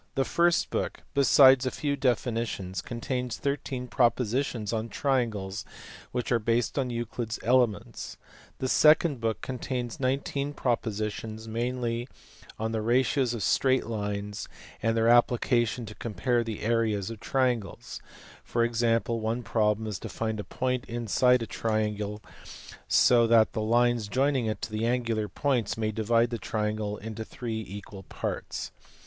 The first book, besides a few definitions, contains 13 propositions on triangles which are based on Euclid s Elements. The second book contains 19 propositions, mainly on the ratios of straight lines and their application to compare the areas of triangles ; for example, one problem is to find a point inside a triangle so that the lines joining it to the angular points may divide the triangle into three equal parts.